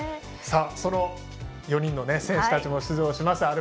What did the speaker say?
その４人の選手たちも出場します